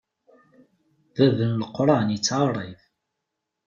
Bab n leqṛan ittɛaṛṛeb.